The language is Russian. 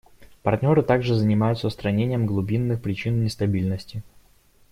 Партнеры также занимаются устранением глубинных причин нестабильности.